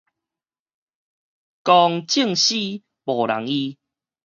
公眾私，無人醫